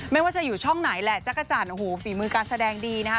ไม่ว่าจะอยู่ช่องไหนแหละจักรจันทร์โอ้โหฝีมือการแสดงดีนะฮะ